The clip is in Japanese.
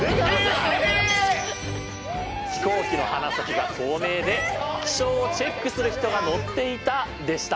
飛行機の鼻先が透明で気象をチェックする人が乗っていたでした。